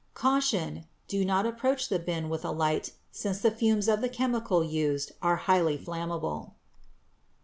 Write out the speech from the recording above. Caution: Do not approach the bin with a light, since the fumes of the chemical used are highly inflammable.